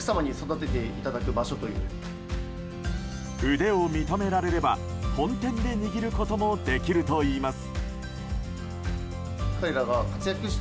腕を認められれば、本店で握ることもできるといいます。